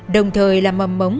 đồng thời là mầm mống